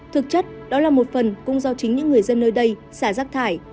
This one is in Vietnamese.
thực chất đó là một phần cũng do chính những người dân nơi đây xả rác thải